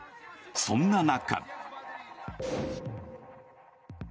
そんな中。